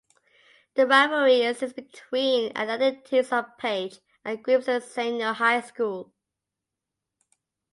A rivalry exists between the athletic teams of Page and Grimsley Senior High School.